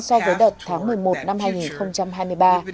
so với đợt tháng một mươi một năm hai nghìn hai mươi ba